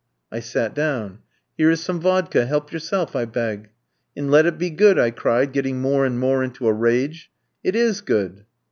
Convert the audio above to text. "I sat down. "'Here is some vodka. Help yourself, I beg.' "'And let it be good,' I cried, getting more and more into a rage. "'It is good.'